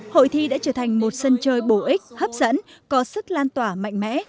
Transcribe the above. hội thi đã trở thành một sân chơi bổ ích hấp dẫn có sức lan tỏa mạnh mẽ